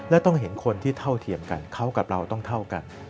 และต้องเห็นคนที่เท่าเทียมกันเขากับเราต้องเท่ากัน